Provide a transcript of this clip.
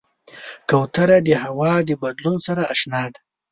کوتره د هوا د بدلون سره اشنا ده.